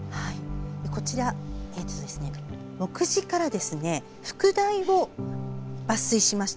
こちら、目次から副題を抜粋しました。